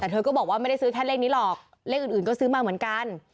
แต่เธอก็บอกว่าไม่ได้ซื้อแค่เลขนี้หรอกเลขอื่นก็ซื้อมาเหมือนกัน